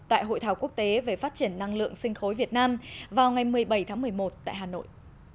tại hội thảo quốc tế về phát triển năng lượng sinh khối việt nam vào ngày một mươi bảy tháng một mươi một tại hà nội